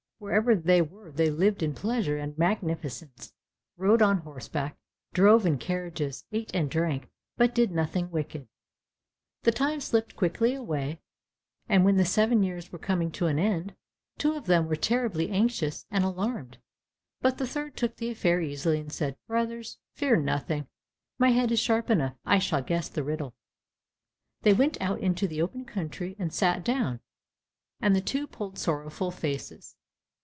Wherever they were they lived in pleasure and magnificence, rode on horseback, drove in carriages, ate and drank, but did nothing wicked. The time slipped quickly away, and when the seven years were coming to an end, two of them were terribly anxious and alarmed; but the third took the affair easily, and said, "Brothers, fear nothing, my head is sharp enough, I shall guess the riddle." They went out into the open country and sat down, and the two pulled sorrowful faces.